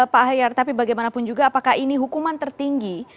pak ahyar tapi bagaimanapun juga apakah ini hukuman tertinggi